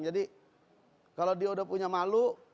jadi kalau dia sudah punya malu